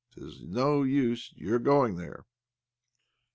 'Tis no use your going there."